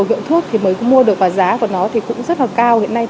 tìm thuốc tamiflu ở bên ngoài bây giờ hiện tại nó không có